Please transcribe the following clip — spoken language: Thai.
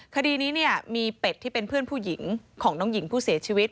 คดีนี้เนี่ยมีเป็ดที่เป็นเพื่อนผู้หญิงของน้องหญิงผู้เสียชีวิต